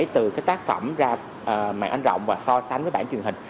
từ cái tác phẩm ra mạng anh rộng và so sánh với bản truyền hình